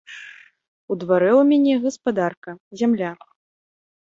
У дварэ ў мяне гаспадарка, зямля.